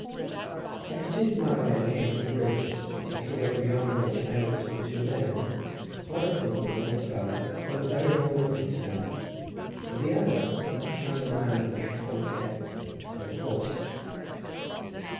I continued my way and came to a bridge, a little way beyond which I overtook two men, one of whom, an old fellow, held a very long whip in his hand, and the other, a much younger man with a cap on his head, led a horse.